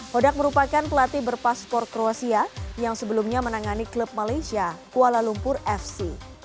hodak merupakan pelatih berpaspor kroasia yang sebelumnya menangani klub malaysia kuala lumpur fc